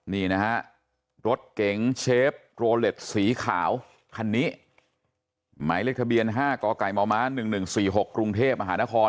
นี่นะฮะรถเก๋งเชฟโรเล็ตสีขาวคันนี้หมายเลขทะเบียน๕กม๑๑๔๖กรุงเทพมหานคร